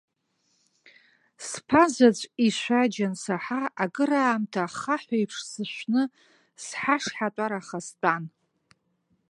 Сԥа-заҵә ишәаџь ансаҳа акыраамҭа ахаҳә еиԥш сшәны, сҳашҳатәараха стәан.